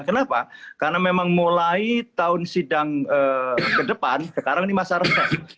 kenapa karena memang mulai tahun sidang ke depan sekarang ini masa resah